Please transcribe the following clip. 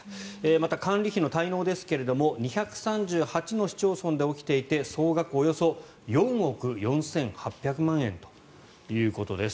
また管理費の滞納ですが２３８の市町村で起きていて総額およそ４億４８００万円ということです。